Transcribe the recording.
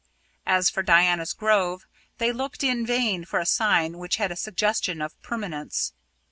As for Diana's Grove, they looked in vain for a sign which had a suggestion of permanence.